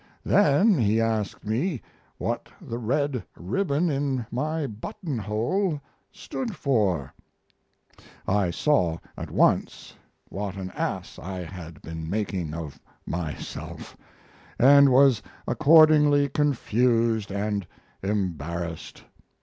Then he asked me what the red ribbon in my buttonhole stood for? I saw, at once, what an ass I had been making of myself, and was accordingly confused and embarrassed.